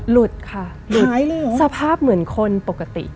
แล้วตื่นอะ